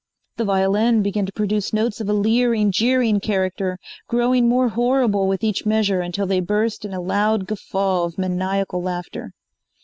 The violin began to produce notes of a leering, jeering character, growing more horrible with each measure until they burst in a loud guffaw of maniacal laughter.